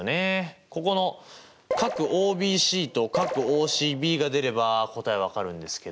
ここのＯＢＣとＯＣＢが出れば答え分かるんですけど。